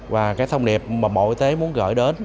và cái thông điệp mà bộ y tế muốn gửi đến